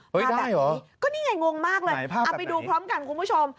เป็นแบบนี้ก็นี่ไงงงมากเลยเอาไปดูพร้อมกันคุณผู้ชม